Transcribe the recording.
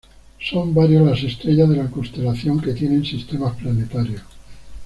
Son varias las estrellas de la constelación que tienen sistemas planetarios.